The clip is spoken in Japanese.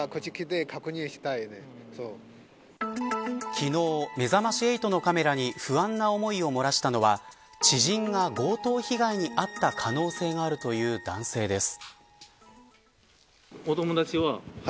昨日、めざまし８のカメラに不安な思いを漏らしたのは知人が強盗被害に遭った可能性があるという男性です。